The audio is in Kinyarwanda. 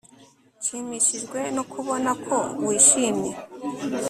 Nshimishijwe no kubona ko wishimye